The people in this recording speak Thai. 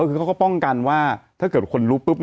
คือเขาก็ป้องกันว่าถ้าเกิดคนรู้ปุ๊บ